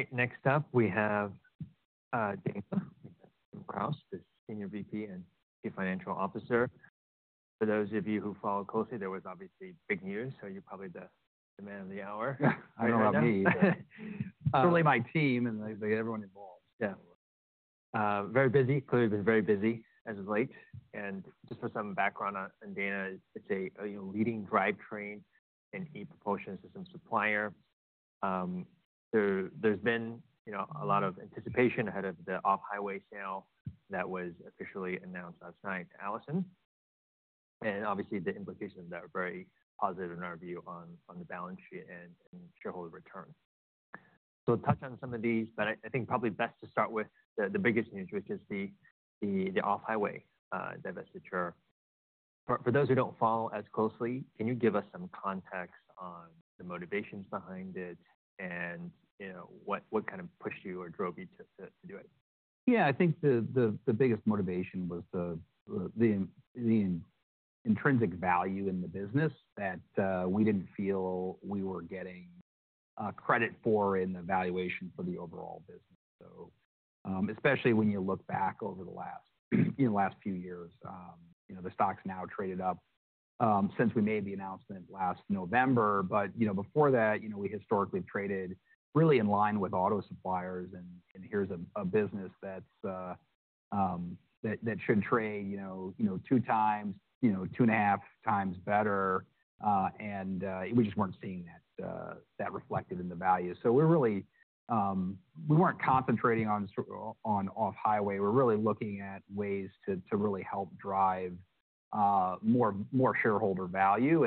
All right, next up we have. Dana. Kraus. The Senior VP and Chief Financial Officer. For those of you who follow closely, there was obviously big news. So you're probably the man of the hour. I don't know about me, certainly my team and they get everyone involved. Yeah, very busy. Clearly been very busy as of late. And just for some background, Dana, it's a leading drivetrain and ePropulsion system supplier. There's been a lot of anticipation ahead of the off-highway sale that was officially announced last night to Allison, and obviously the implications that are very positive in our view on the balance sheet and shareholder return. So touch on some of these. But I think probably best to start with the biggest news, which is the off-highway divestiture. For those who do not follow as closely, can you give us some context on the motivations behind it and what kind of pushed you or drove you to do it? Yeah, I think the biggest motivation was the intrinsic value in the business that we did not feel we were getting credit for in the valuation for the overall business. Especially when you look back over the last, in the last few years, the stock has now traded up since we made the announcement last November. Before that we historically traded really in line with auto suppliers. Here is a business that should trade two times, two and a half times better. We just were not seeing that reflected in the value. We were not concentrating on off-highway. We were really looking at ways to really help drive more shareholder value.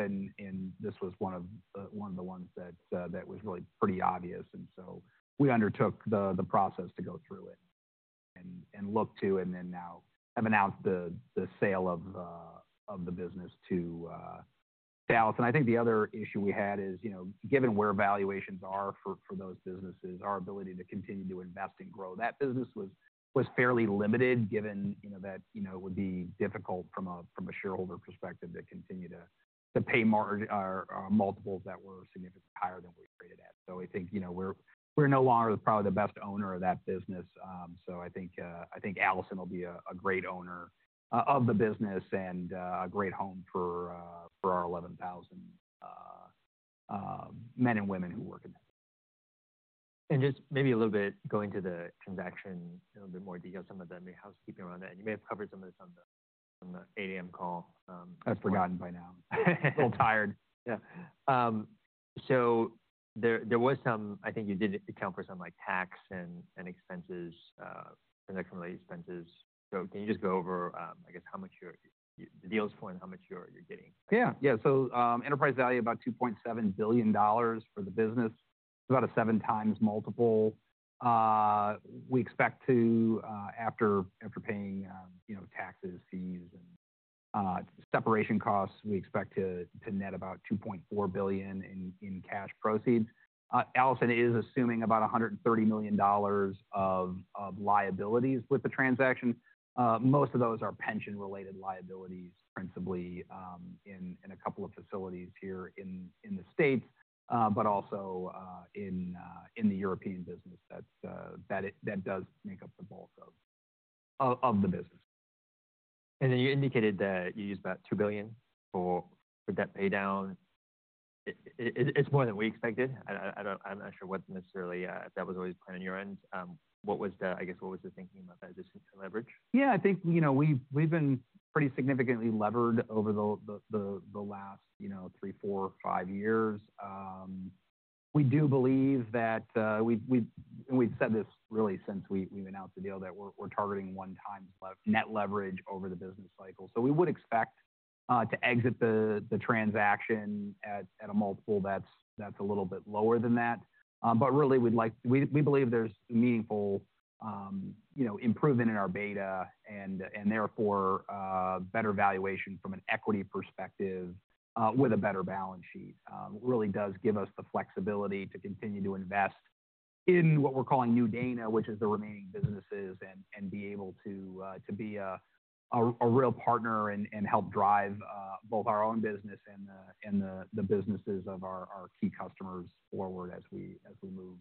This was one of the ones that was really pretty obvious. We undertook the process to go through it and look to, and then now have announced the sale of the business to Allison. I think the other issue we had is given where valuations are for those businesses, our ability to continue to invest and grow that business was fairly limited given that it would be difficult from a shareholder perspective to continue to pay multiples that were significantly higher than we traded at. I think we're no longer probably the best owner of that business. I think Allison will be a great owner of the business and a great home for our 11,000. Men and. Women who work in there. Just maybe a little bit going to the transaction, a little bit more detail, some of the housekeeping around that. You may have covered some of this on the 8:00 A.M. call. I've forgotten by now, a little tired. There was some, I think you did account for some like tax and expenses, production related expenses. Can you just go over, I guess how much the deal is for and how much you're getting? Yeah, yeah. Enterprise value about $2.7 billion for the business, about a seven times multiple. We expect to, after paying taxes, fees and separation costs, we expect to net about $2.4 billion in cash proceeds. Allison is assuming about $130 million of liabilities with the transaction. Most of those are pension related liabilities, principally in a couple of facilities here in the States, but also in the European business that does make up the bulk of the business. You indicated that you used about $2 billion for debt pay down. It's more than we expected. I'm not sure what necessarily that was always planned on your end, I guess. What was the thinking about that leverage? Yeah, I think we've been pretty significantly levered over the last, you know, three, four, five years. We do believe that we've said this really since we announced the deal, that we're targeting 1 times net leverage over the business cycle. We would expect to exit the transaction at a multiple that's a little bit lower than that. Really, we believe there's meaningful improvement in our beta and therefore better valuation from an equity perspective with a better balance sheet really does give us the flexibility to continue to invest in what we're calling New Dana, which is the remaining businesses, and be able to be a real partner and help drive both our own business and the businesses of our key customers forward as we move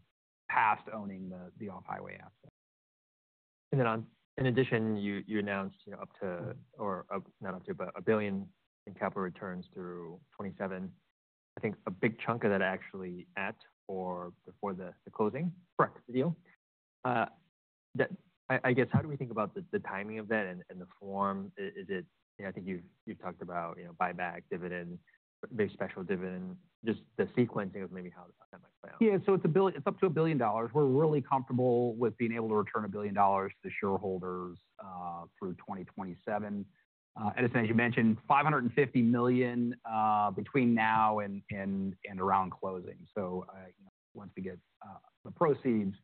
past owning the off-highway asset. In addition, you announced up to, or not up to, but a billion in capital returns through 2027. I think a big chunk of that actually at or before the closing. Correct deal. I guess. How do we think about the timing of that and the form? I think you've talked about buyback, dividend, very special dividend. Just the sequencing of maybe how that might play out. Yeah. It is up to a billion dollars. We are really comfortable with being able to return a billion dollars to the shareholders through 2027. Edison, as you mentioned, $550 million between now and around closing. Once we get the proceeds,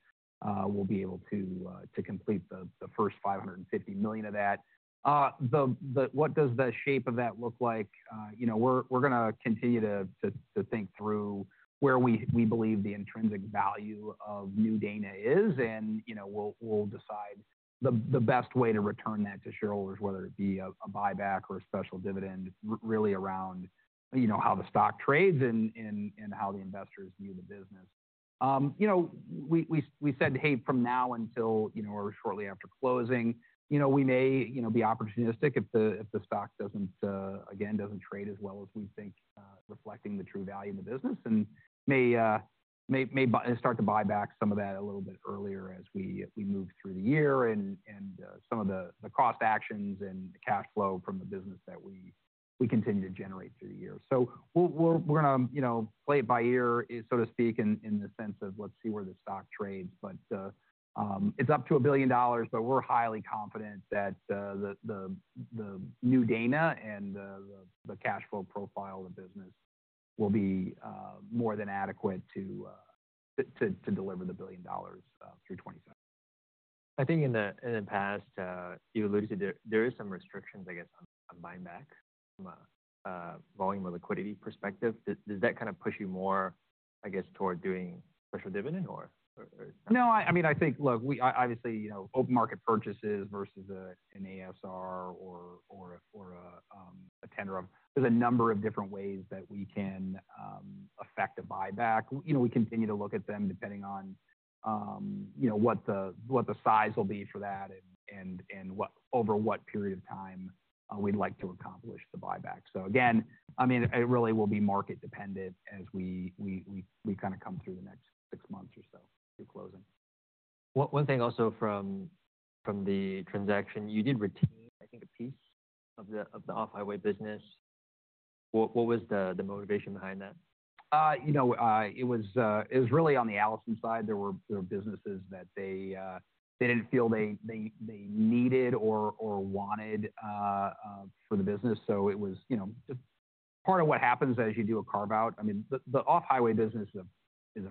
we will be able to complete the first $550 million of that. What does the shape of that look like? We are going to continue to think through where we believe the intrinsic value of New Dana is and we will decide the best way to return that to shareholders, whether it be a buyback or a special dividend, really around how the stock trades and how the investors view the business. We said, hey, from now until or shortly after closing, we may be opportunistic if the stock again does not trade as well as we think reflecting the true value of the business and may start to buy back some of that a little bit earlier as we move through the year and some of the cost transactions and cash flow from the business that we continue to generate through the year. We are going to play it by ear so to speak in the sense of let's see where the stock trades. It is up to $1 billion. We are highly confident that the New Dana and the cash flow profile of the business will be more than adequate to deliver the $1 billion through 2027. I think in the past you alluded to there is some restrictions I guess on buying back from a volume or liquidity perspective. Does that kind of push you more I guess toward doing special dividend or no? I mean I think look, obviously open market purchases versus an ASR or a tender, there's a number of different ways that we can affect a buyback. We continue to look at them depending on, you know, what the size will be for that and over what period of time we'd like to accomplish the buyback. Again, I mean it really will be market dependent as we kind of come through the next six months or so through closing. One thing also from the transaction, you did retain I think a piece of the off-highway business. What was the motivation behind that? You know it was really on the Allison side. There were businesses that they did not feel they needed or wanted for the business. It was part of what happens as you do a carve out. I mean the off-highway business is a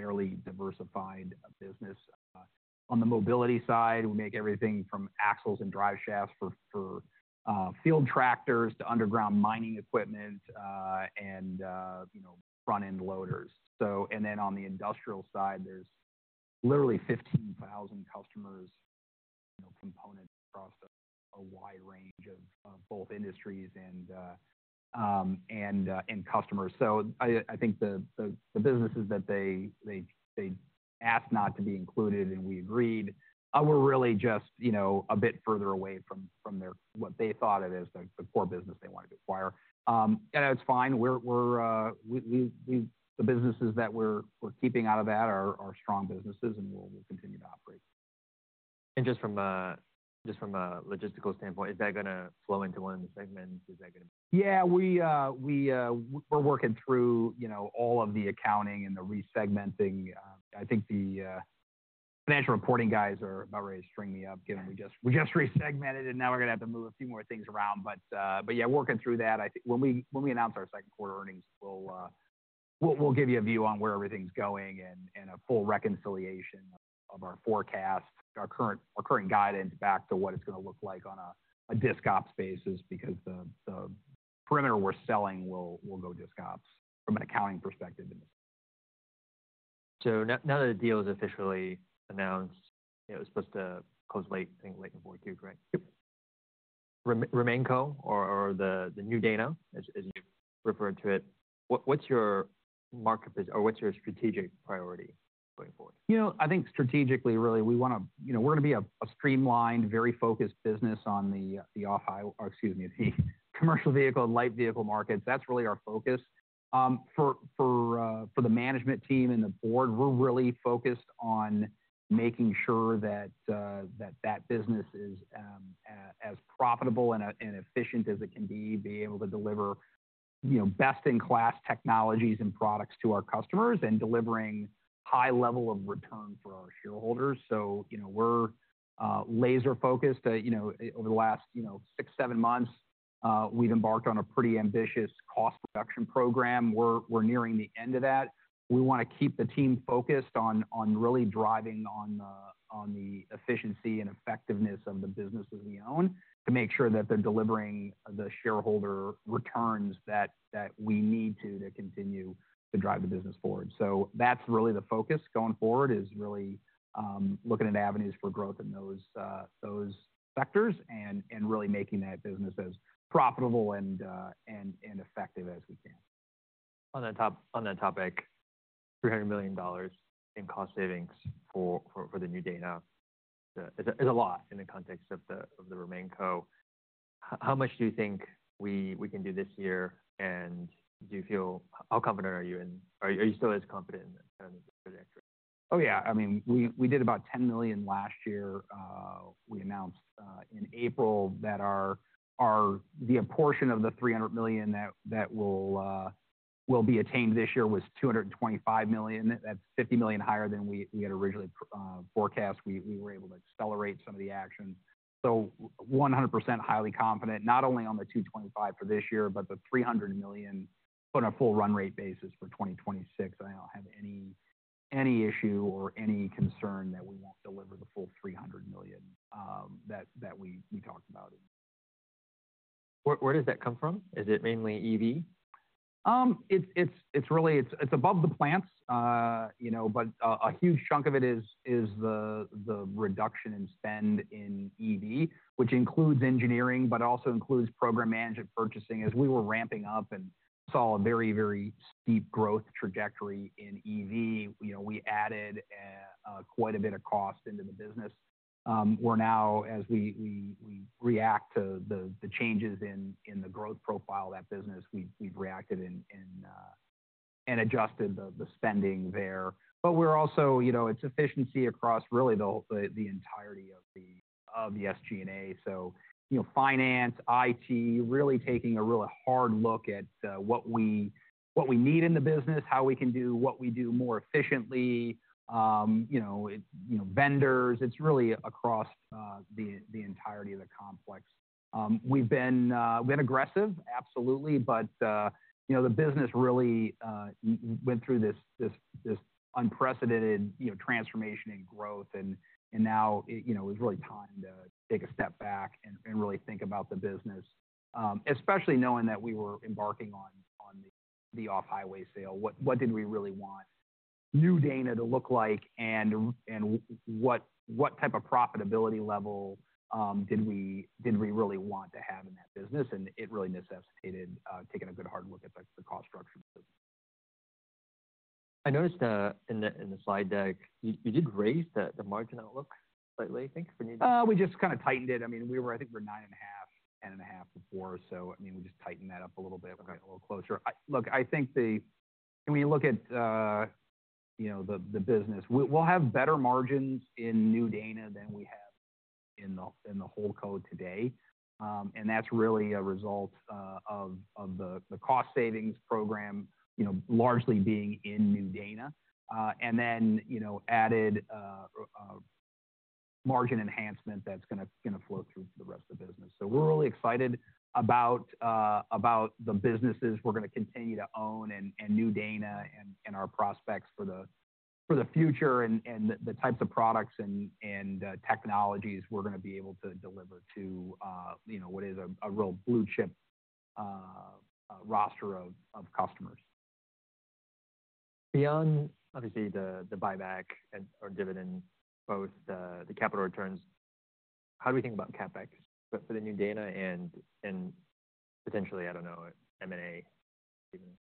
fairly diversified business. On the mobility side we make everything from axles and drive shafts for field tractors to underground mining equipment and front end loaders. On the industrial side there are literally 15,000 customers, components across a wide range of both industries and customers. I think the businesses that they asked not to be included and we agreed were really just a bit further away from what they thought of as the core business they wanted to acquire. That is fine. The businesses that we are keeping out of that are strong businesses and we will continue to operate. Just from a logistical standpoint, is that going to flow into one of the segments? Is that going to. Yeah, we're working through all of the accounting and the resegmenting. I think the financial reporting guys are about ready to string me up given we just resegmented and now we're going to have to move a few more things around. Yeah, working through that. I think when we announce our second quarter earnings, we'll give you a view on where everything's going and a full reconciliation of our forecast, our current guidance back to what it's going to look like on a DiscOps basis because the perimeter we're selling will go DiscOps from an accounting perspective. Now that the deal is officially announced, it's supposed to close late in 4Q. Correct. RemainCo, or the New Dana as you refer to it, what's your market or what's your strategic priority going forward? You know, I think strategically really we want to, you know, we're going to be a streamlined, very focused business on the off-high, excuse me, the commercial vehicle and light vehicle markets. That's really our focus for the management team and the board. We're really focused on making sure that that business is as profitable and efficient as it can be, be able to deliver best-in-class technologies and products to our customers and delivering high level of return for our shareholders. You know, we're laser focused. You know, over the last six, seven months we've embarked on a pretty ambitious cost reduction program. We're nearing the end of that. We want to keep the team focused on really driving on the efficiency and effectiveness of the businesses we own to make sure that they're delivering the shareholder returns that we need to continue to drive the business forward. That's really the focus going forward, is really looking at avenues for growth in those sectors and really making that business as profitable and effective as we can. On that topic, $300 million in cost savings for the new data is a lot in the context of the RemainCo. How much do you think we can do this year, and do you feel, how confident are you in? Are you still as confident in? Oh yeah, I mean we did about $10 million last year. We announced in April that our the apportion of the $300 million that will be attained this year was $225 million. That's $50 million higher than we had originally forecast. We were able to accelerate some of the action. So 100% highly confident, not only on the $225 million for this year, but the $300 million on a full run rate basis for 2026. I don't have any issue or any concern that we won't deliver the full $300 million that we talked about. Where does that come from? Is it mainly EVs? Above the plants? A huge chunk of it is the reduction in spend in EV, which includes engineering, but also includes program management, purchasing. As we were ramping up and saw a very, very steep growth trajectory in EV, we added quite a bit of cost into the business. We are now, as we react to the changes in the growth profile of that business, we have reacted and adjusted the spending there. We are also, you know, it is efficiency across really the entirety of the SG&A. So, you know, finance is really taking a really hard look at what we need in the business, how we can do what we do more efficiently, you know, vendors. It is really across the entirety of the complex. We have been aggressive, absolutely. The business really went through this unprecedented transformation and growth and now it was really time to take a step back and really think about the business, especially knowing that we were embarking on the off-highway sale. What did we really want New Dana to look like and what type of profitability level did we really want to have in that business? It really necessitated taking a good hard look at the cost structure. I noticed in the slide deck you did raise the margin outlook slightly. I think we just kind of tightened it. I mean we were, I think we're nine and a half-ten and a half before. I mean we just tighten that up a little bit. A little closer look. I think when you look at, you know, the business, we'll have better margins in New Dana than we have in the whole code today. That's really a result of the cost savings program, you know, largely being in New Dana and then, you know, added margin enhancement that's going to flow through to the rest of the business. We're really excited about the businesses we're going to continue to own in New Dana and our prospects for the future and the types of products and technologies we're going to be able to deliver to what is a real blue chip roster of customers. Beyond obviously the buyback or dividend, both the capital returns. How do we think about CapEx for the New Dana and potentially, I don't know, M&A.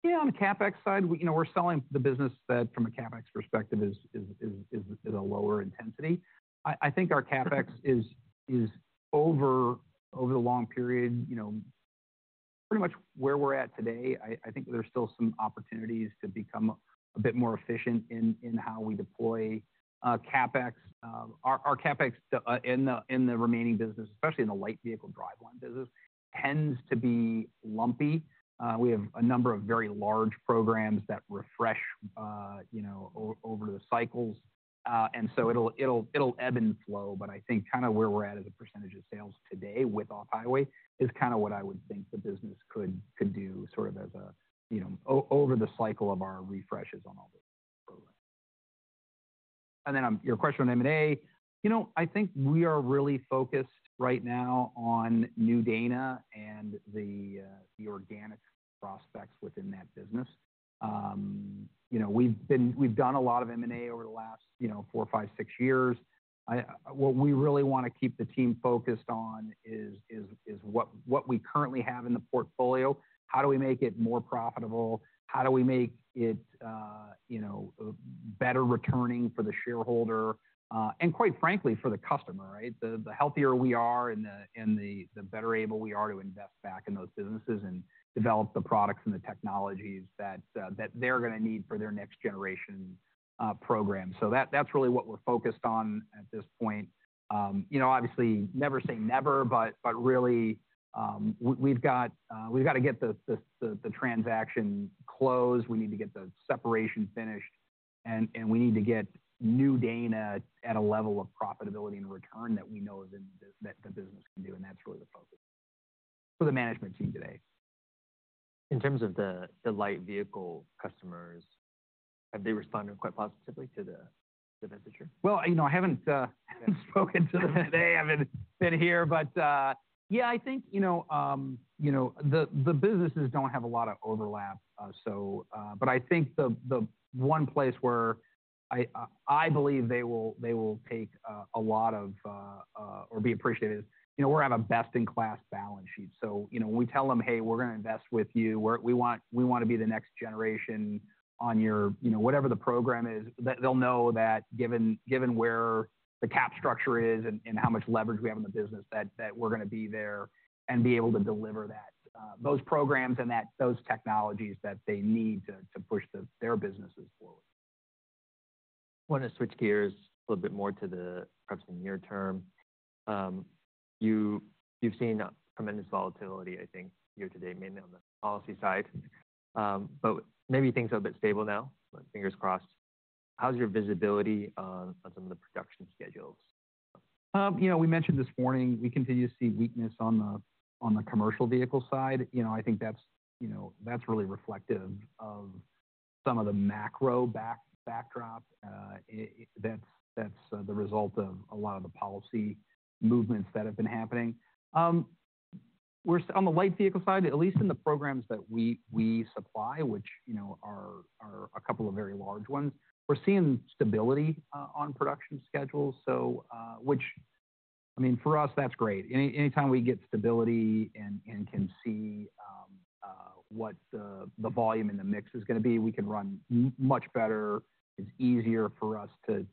Yeah. On the CapEx side, we're selling the business that from a CapEx perspective is a lower intensity. I think our CapEx is over the long period pretty much where we're at today. I think there's still some opportunities to become a bit more efficient in how we deploy CapEx. Our CapEx in the remaining business, especially in the light vehicle driveline business, tends to be lumpy. We have a number of very large programs that refresh over the cycles and it will ebb and flow. I think kind of where we're at as a percentage of Sales today with off-highway is kind of what I would think the business could do as you know, over the cycle of our refreshes on all the programs. Then your question on ma. You know, I think we are really focused right now on New Dana and the organic prospects within that business. You know, we've been, we've done a lot of M&A over the last four, five, six years. What we really want to keep the team focused on is what we currently have in the portfolio. How do we make it more profitable, how do we make it better returning for the shareholder and quite frankly for the customer. The healthier we are and the better able we are to invest back in those businesses and develop the products and the technologies that they're going to need for their next generation program. That is really what we're focused on at this point. You know, obviously never say never, but really we've got to get the transaction closed. We need to get the separation finished and we need to get New Dana at a level of profitability and return that we know that the business can do. That is really the focus for the management team today. In terms of the light vehicle customers, have they responded quite positively to the? You know, I haven't spoken to them today, I've been here. Yeah, I think, you know, the businesses don't have a lot of overlap. I think the one place where I believe they will take a lot of or be appreciative is, you know, we have a best in class balance sheet. You know, we tell them, hey, we're going to invest with you. We want to be the next generation on your, you know, whatever the program is. They'll know that given where the cap structure is and how much leverage we have in the business that we're going to be there and be able to deliver those programs and those technologies that they need to push their businesses forward. Want to switch gears a little bit more to the, perhaps the near term. You've seen tremendous volatility I think year to date, mainly on the policy side, but maybe things are a bit stable now. Fingers crossed. How's your visibility on some of the production schedules? You know, we mentioned this morning we continue to see weakness on the, on the commercial vehicle side. You know, I think that's, you know, that's really reflective of some of the macro backdrop that's the result of a lot of the policy movements that have been happening on the light vehicle side, at least in the programs that we supply, which, you know, are a couple of very large ones, we're seeing stability on production schedules. I mean, for us, that's great. Anytime we get stability and can see what the volume in the mix is going to be, we can run much better. It's easier for us to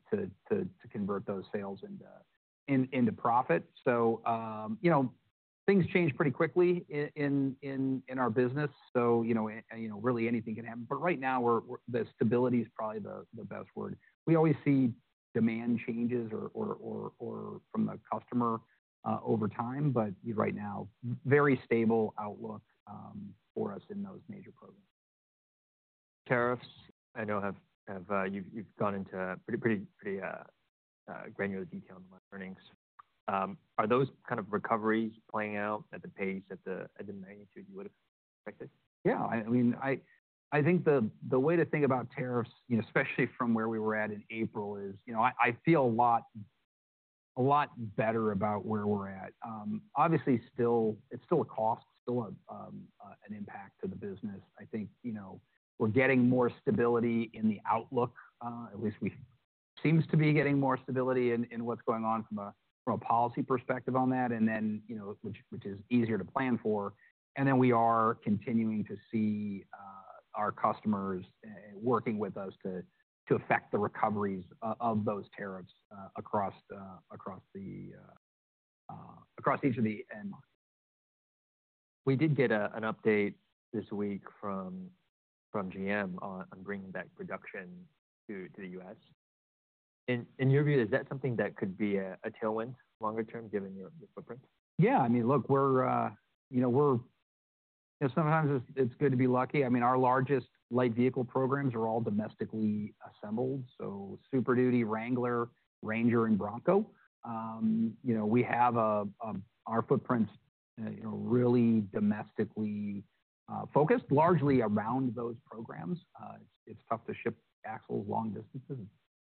convert those sales into, into profit. You know, things change pretty quickly in our business. You know, really anything can happen. Right now the stability is probably the best word. We always see demand changes or from the customer over time, but right now, very stable outlook for us in those major programs. Tariffs I know you've gone into pretty granular detail in my earnings. Are those kind of recoveries playing out at the pace, at the magnitude you would have expected? Yeah, I mean, I think the way to think about tariffs, especially from where we were at in April, is I feel a lot better about where we're at. Obviously it's still a cost, still an impact to the business. I think we're getting more stability in the outlook. At least we seem to be getting more stability in what's going on from a policy perspective on that, which is easier to plan for. We are continuing to see our customers working with us to affect the recoveries of those tariffs across each of the. We did get an update this week from GM on bringing back production to the U.S. In your view, is that something that could be a tailwind longer? Term given your footprint? Yeah, I mean, look, we're, you know, we're. Sometimes it's good to be lucky. I mean, our largest light vehicle programs are all domestically assembled. Super Duty, Wrangler, Ranger and Bronco, you know, we have our footprint really domestically focused largely around those programs. It's tough to ship axles long distances,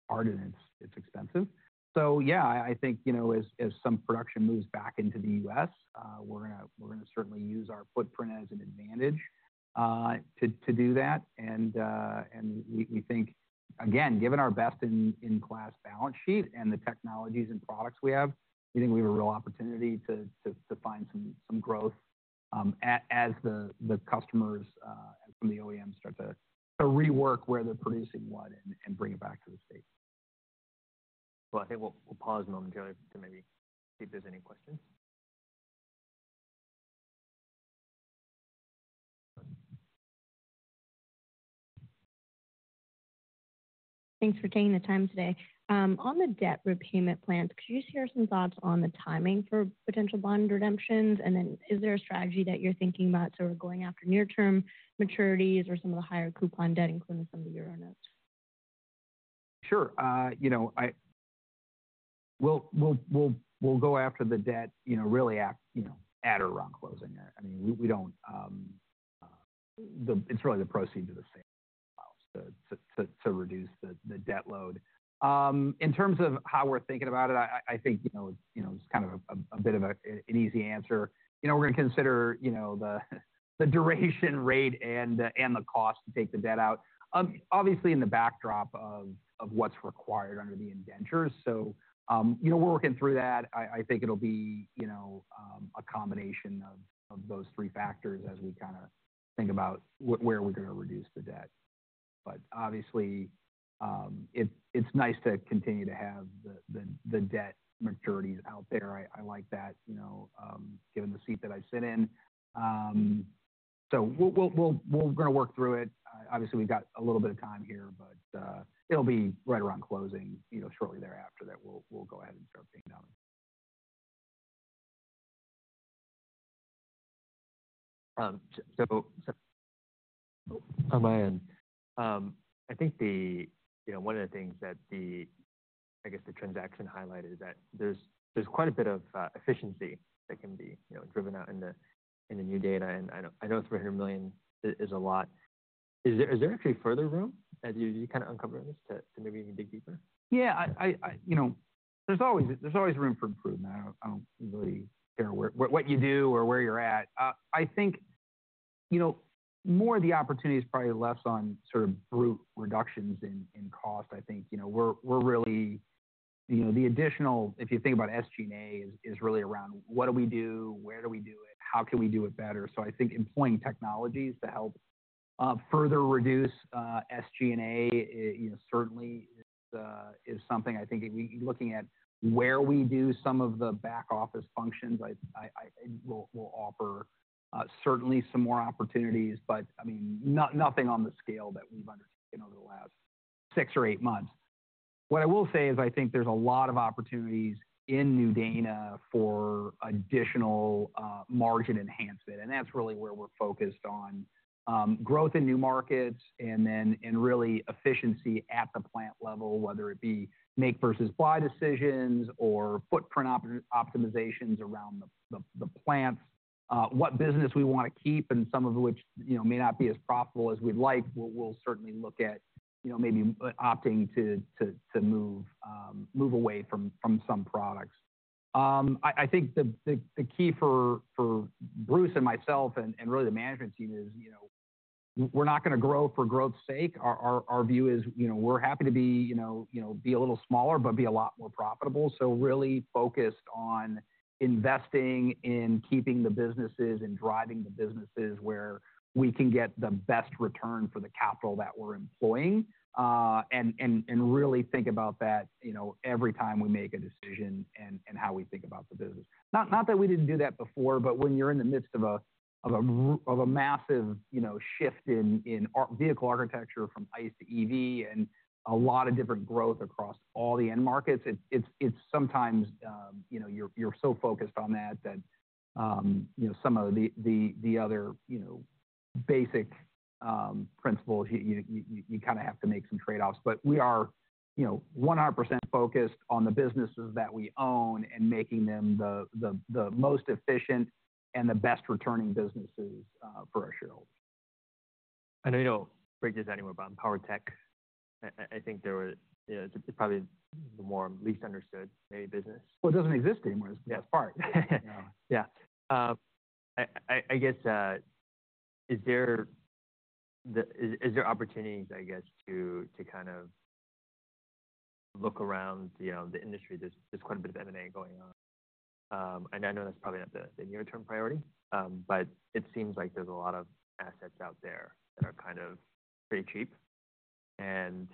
hard and it's expensive. Yeah, I think, you know, as some production moves back into the U.S. we're going to certainly use our footprint as an advantage to do that. We think again, given our best in class balance sheet and the technologies and products we have, we think we have a real opportunity to find some growth as the customers from the OEM start to rework where they're producing what and bring it back to the state. I think we'll pause a moment to maybe see if there's any questions. Thanks for taking the time today on the debt repayment plans. Could you share some thoughts on the timing for potential bond redemptions? Is there a strategy that you're thinking about? We're going after near term maturities or some of the higher coupon debt, including some of the Euro notes. Sure. You know, I will go after the debt, you know, really act, you know, at or around closing. I mean we do not, it is really the proceeds to the sale to reduce the debt load. In terms of how we are thinking about it, I think, you know, it is kind of a bit of an easy answer. You know, we are going to consider, you know, the duration rate and the cost to take the debt out obviously in the backdrop of what is required under the indentures. You know, we are working through that. I think it will be, you know, a combination of those three factors as we kind of think about where we are going to reduce the debt. Obviously it is nice to continue to have the debt maturities out there. I like that, you know, given the seat that I sit in. We are going to work through it. Obviously we've got a little bit of time here, but it'll be right around closing, shortly thereafter, that we'll go ahead and start paying down. On my end, I think one of the things that I guess the transaction highlighted is that there's quite a bit of efficiency that can be driven out in the new data. I know $300 million is a lot. Is there actually further room as you kind of uncover this to maybe even dig deeper? Yeah. There's always room for improvement. I don't really care what you do or where you're at. I think more of the opportunity is probably less on sort of brute reductions in cost. I think really the additional, if you think about SG&A, is really around what do we do, where do we do it, how can we do it better? I think employing technologies to help further reduce SG&A certainly is something. I think looking at where we do some of the back office functions will offer certainly some more opportunities, but I mean nothing on the scale that we've undertaken over the last six or eight months. What I will say is I think there's a lot of opportunities in New Dana for additional margin enhancement and that's really where we're focused on growth in new markets and then really efficiency at the plant level, whether it be make versus buy decisions or footprint optimizations around the plants. What business we want to keep and some of which may not be as profitable as we'd like, we'll certainly look at maybe opting to move away from some products. I think the key for Bruce and myself and really the management team is we're not going to grow for growth's sake. Our view is, you know, we're happy to be, you know, be a little smaller but be a lot more profitable. Really focused on investing in keeping the businesses and driving the businesses where we can get the best return for the capital that we're employing. I really think about that, you know, every time we make a decision and how we think about the business. Not that we didn't do that before, but when you're in the midst of a massive shift in vehicle architecture from ICE to EV and a lot of different growth across all the end markets, sometimes you're so focused on that that some of the other basic principles you kind of have to make some trade offs. We are 100% focused on the businesses that we own and making them the most efficient and the best returning businesses for our shareholders. I know you don't break this anymore, but in power tech, I think there's probably the more least understood maybe business. It doesn't exist anymore. That's part. Yeah, I guess. Is there opportunities, I guess to kind of look around the industry? There's quite a bit of M&A going on and I know that's probably not the near term priority, but it seems like there's a lot of assets out there that are kind of pretty cheap. And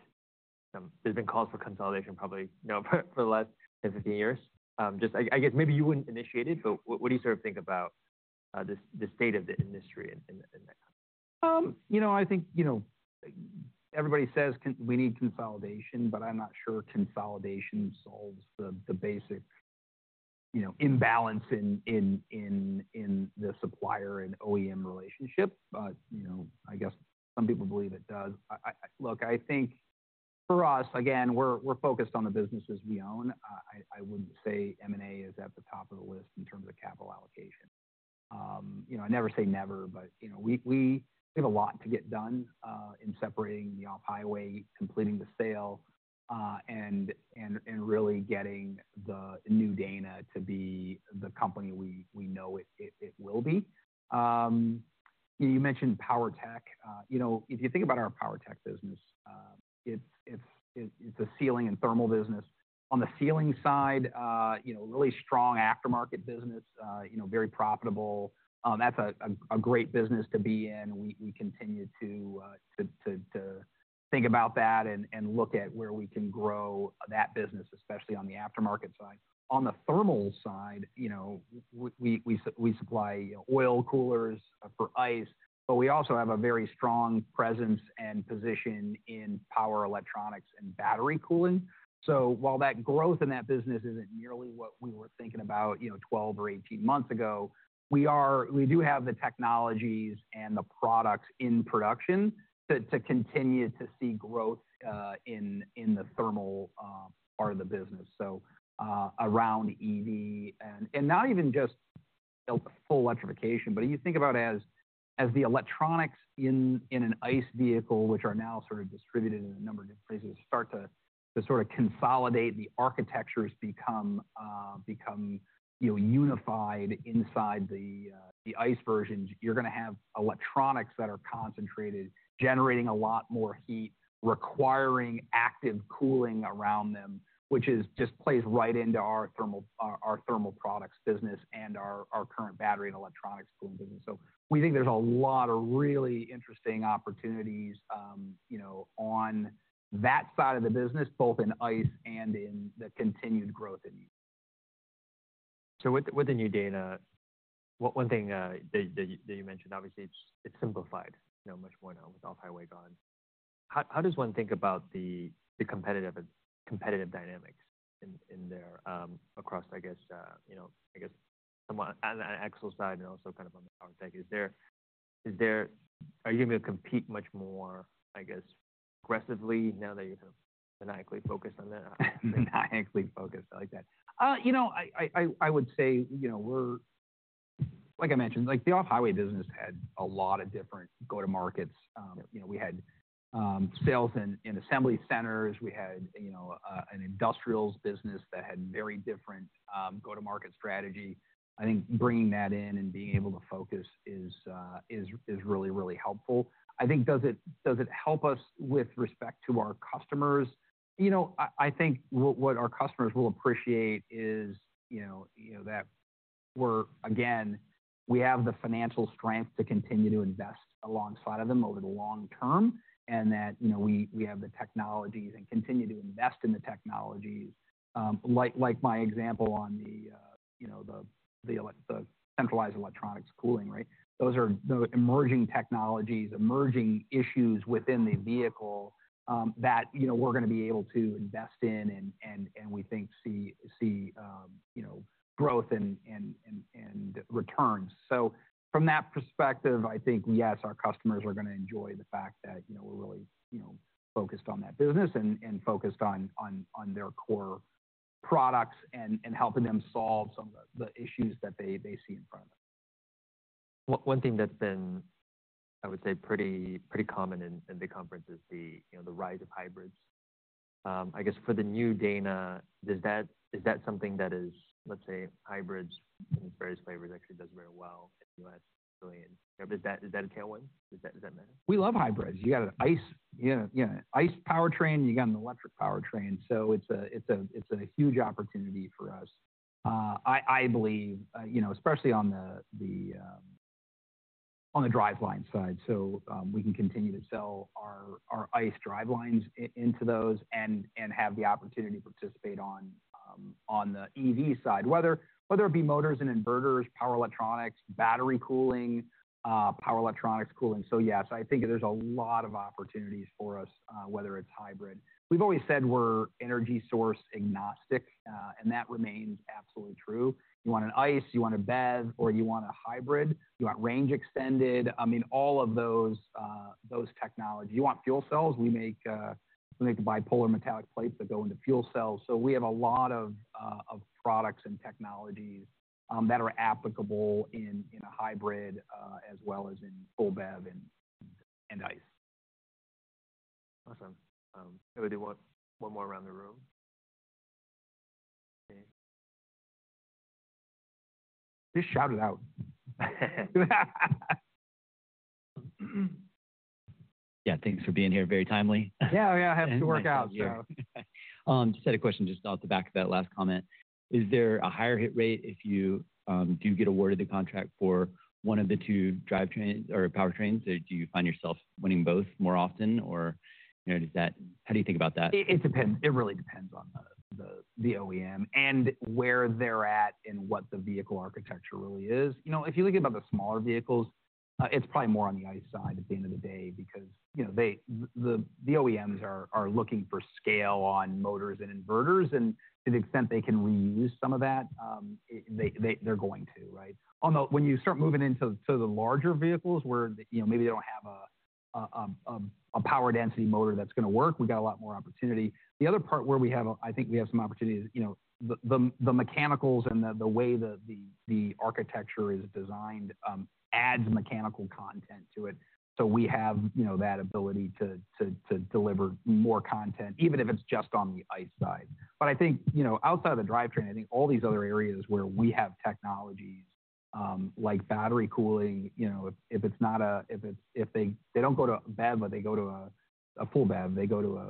there's been calls for consolidation probably for the last 10-15 years. I guess maybe you wouldn't initiate it, but what do you sort of think about the state of the industry? I think everybody says we need consolidation, but I'm not sure consolidation solves the basic, you know, imbalance in the supplier and OEM relationship. You know, I guess some people believe it does. Look, I think for us again, we're focused on the businesses we own. I wouldn't say M&A is at the top of the list in terms of capital allocation. You know, I never say never, but you know, we have a lot to get done in separating the off-highway, completing the sale, and really getting the New Dana to be the company we know it will be. You mentioned powertech. If you think about our powertech business, it's a sealing and thermal business. On the sealing side, really strong aftermarket business, very profitable. That's a great business to be in. We continue to think about that and look at where we can grow that business, especially on the aftermarket side. On the thermal side, we supply oil coolers for ICE. We also have a very strong presence and position in power electronics and battery cooling. While that growth in that business is not nearly what we were thinking about 12 or 18 months ago, we do have the technologies and the products in production to continue to see growth in the thermal part of the business. Around EV and not even just full electrification, but you think about as the electronics in an ICE vehicle, which are now sort of distributed in a number of different places, start to sort of consolidate, the architectures become unified. Inside the ICE versions, you're going to have electronics that are concentrated, generating a lot more heat, requiring active cooling around them. Which just plays right into our thermal products business and our current battery and electronics cooling business. We think there's a lot of really interesting opportunities on that side of the business, both in ICE and in the continued growth in. With the New Dana, one thing that you mentioned, obviously it's simplified much more now with off-highway gone. How does one think about the competitive dynamics in there across, I guess, somewhat on axle side and also kind of on the powertech? Are you going to compete much more, I guess, aggressively now that you're maniacally focused on that? I would say we're, like I mentioned, like the off-highway business had a lot of different go-to-markets. You know, we had sales and assembly centers, we had, you know, an industrials business that had very different go-to-market strategy. I think bringing that in and being able to focus is really, really helpful, I think. Does it help us with respect to our customers? You know, I think what our customers will appreciate is, you know, that we're, again, we have the financial strength to continue to invest alongside of them over the long term and that we have the technologies and continue to invest in the technologies. Like my example on the centralized electronics, cooling. Right. Those are emerging technologies, emerging issues within the vehicle that we're going to be able to invest in and we think see, see growth and returns. From that perspective, I think yes, our customers are going to enjoy the fact that we're really focused on that business and focused on their core products and helping them solve some of the issues that they see in front of them. One thing that's been, I would say, pretty common in the conference is the rise of hybrids. I guess for the New Dana, is that something that is, let's say, hybrids, various flavors, actually does very well. Is that a tailwind? Does that matter? We love hybrids. You got an ICE powertrain, you got an electric powertrain. It is a huge opportunity for us, I believe, especially on the driveline side. We can continue to sell our ICE drivelines into those and have the opportunity to participate on the EV side, whether it be motors and inverters, power electronics, battery cooling, power electronics cooling. Yes, I think there are a lot of opportunities for us. Whether it is hybrid. We have always said we are energy source agnostic and that remains absolutely true. You want an ICE, you want a BEV, or you want a hybrid, you want range extended. I mean, all of those technologies, you want fuel cells, we make bipolar metallic plates that go into fuel cells. We have a lot of products and technologies that are applicable in a hybrid as well as in full BEV and ICE. Awesome. Anybody want one more round of room? Just shout it out. Yeah, thanks for being here. Very timely. Yeah, I have to work out. Just had a question just off the. Back of that last comment. Is there a higher hit rate if? You do get awarded the contract for one of the two drivetrain or powertrains, or do you find yourself winning both more often or how do you think about that? It really depends on the OEM and where they're at and what the vehicle architecture really is. If you think about the smaller vehicles, it's probably more on the ICE side at the end of the day because the OEMs are looking for scale on motors and inverters. To the extent they can reuse some of that, they're going to. Right. When you start moving into the larger vehicles where maybe they don't have a power density motor that's going to work, we've got a lot more opportunity. The other part where I think we have some opportunities, the mechanicals and the way that the architecture is designed adds mechanical content to it. We have that ability to deliver more content, even if it's just on the ICE side. I think outside of the drivetrain, all these other areas where we have technologies like battery cooling, if it's not a, they don't go to BEV, but they go to a full BEV, they go to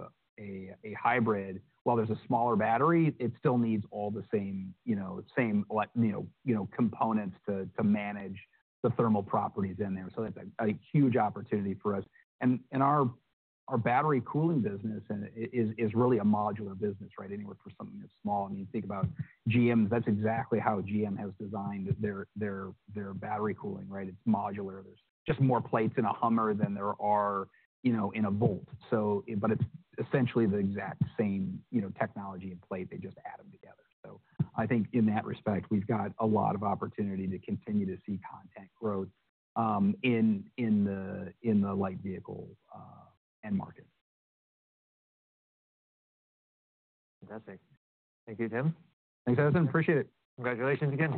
a hybrid. While there's a smaller battery, it still needs all the same, you know, components to manage the thermal properties in there. That's a huge opportunity for us. Our battery cooling business is really a modular business. Right. Anywhere for something that's small, I mean, think about GM. That's exactly how GM has designed their battery cooling, right? It's modular. There's just more plates in a Hummer than there are, you know, in a Bolt. It's essentially the exact same, you know, technology and plate, they just add them together. I think in that respect, we've got a lot of opportunity to continue to see content growth in the light vehicle end markets. Fantastic. Thank you, Tim. Thanks, Ethan. Appreciate it. Congratulations again.